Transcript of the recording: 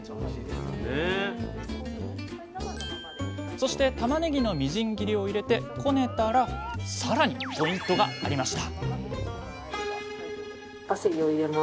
そしてたまねぎのみじん切りを入れてこねたらさらにポイントがありました